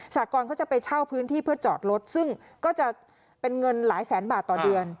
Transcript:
สากรเขาจะไปเช่าพื้นที่เพื่อจอดรถซึ่งก็จะเป็นเงินหลายแสนบาทต่อเดือน